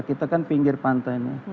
kita kan pinggir pantai nih